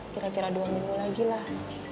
kira kira dua minggu lagi lah